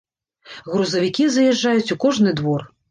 Грузавікі заязджаюць у кожны двор.